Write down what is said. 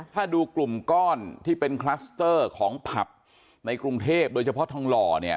ถ้าดูกลุ่มก้อนที่เป็นคลัสเตอร์ของผับในกรุงเทพโดยเฉพาะทองหล่อเนี่ย